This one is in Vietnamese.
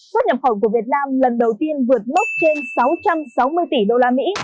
xuất nhập khẩu của việt nam lần đầu tiên vượt mốc trên sáu trăm sáu mươi tỷ đô la mỹ